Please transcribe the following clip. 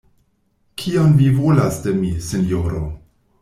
Kion vi volas de mi, sinjoro?